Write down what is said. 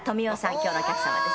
今日のお客様です。